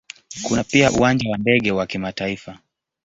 Kuna pia Uwanja wa ndege wa kimataifa.